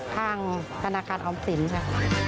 ข้างธนาคารออมสินค่ะ